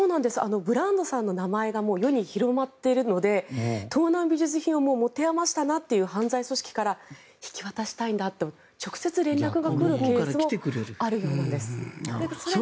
ブランドさんの名前が世に広まっているので盗難美術品を持て余したなという犯罪組織から引き渡したいんだと直接連絡が来るケースもあるそうなんです。